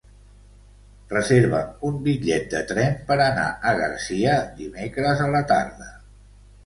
Reserva'm un bitllet de tren per anar a Garcia dimecres a la tarda.